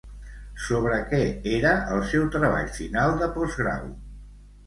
Sobre què era el seu treball final de postgrau?